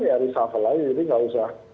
ya risafal saja jadi nggak usah